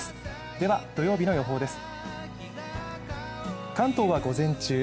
では土曜日の予報です。